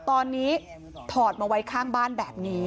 ตอนนี้ถอดมาไว้ข้างบ้านแบบนี้